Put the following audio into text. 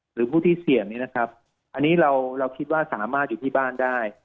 หรือผู้ที่เสี่ยงนี้นะครับอันนี้เราคิดว่าสามารถอยู่ที่บ้านได้